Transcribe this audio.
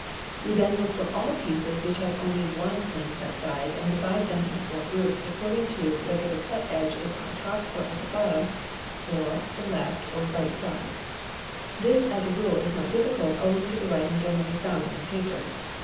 We then look for all the pieces which he ve only one clean cut side and divide them into four groups according © whether the cut edge is on top or at the bottom or the left or right ides. his is as a rule not difficult owing to the writing generally found m the paper.